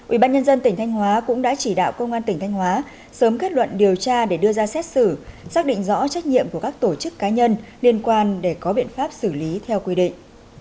ubnd tỉnh thanh hóa cũng đã chỉ đạo công an tỉnh thanh hóa sớm kết luận điều tra để đưa ra xét xử xác định rõ trách nhiệm của các tổ chức cá nhân liên quan để có biện pháp xử lý theo quy định